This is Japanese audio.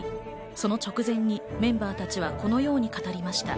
その直前にメンバーたちはこのように語りました。